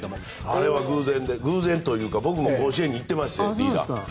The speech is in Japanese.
あれは偶然というか僕も甲子園に行ってましたよ